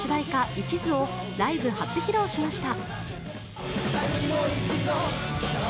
「一途」をライブ初披露しました。